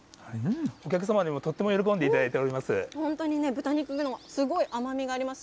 お客様にもとっても喜んでいただいております。